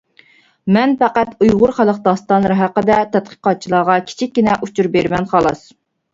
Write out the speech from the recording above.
مەن پەقەت ئۇيغۇر خەلق داستانلىرى ھەققىدە تەتقىقاتچىلارغا كىچىككىنە ئۇچۇر بىرىمەن خالاس.